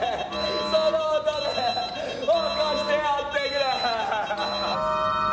その音で！起こしてやってくれ！